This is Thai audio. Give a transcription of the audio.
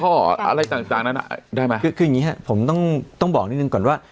อะไรต่างนั้นอ่ะได้ไหมคือคืออย่างนี้ฮะผมต้องต้องบอกนิดนึงก่อนว่า